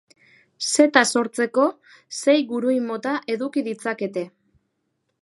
Zeta sortzeko sei guruin mota eduki ditzakete.